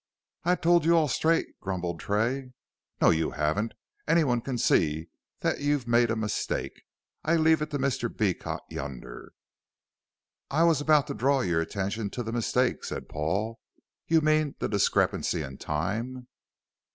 "I've tole you all straight," grumbled Tray. "No, you haven't. Anyone can see that you've made a mistake. I leave it to Mr. Beecot yonder." "I was about to draw your attention to the mistake," said Paul; "you mean the discrepancy in time."